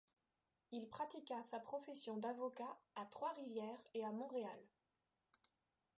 Il pratiqua sa profession d’avocat à Trois-Rivières et à Montréal.